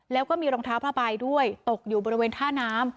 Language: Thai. แล้วก็มีรองเท้าผ้าใบด้วยตกอยู่บริเวณท่าน้ำ